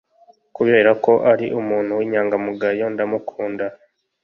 Kubera ko ari umuntu w'inyangamugayo, ndamukunda.